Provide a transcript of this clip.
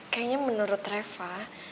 kayanya menurut reva